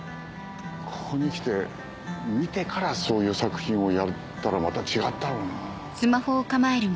ここに来て見てからそういう作品をやったらまた違ったろうな。